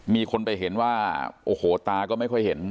มีคนไปเห็นว่าโอ้โหตาก็ไม่ค่อยเห็น